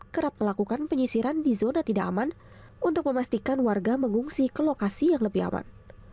kerap melakukan penyisiran di zona tidak aman untuk memastikan warga mengungsi ke lokasi yang lebih aman